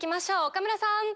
岡村さん。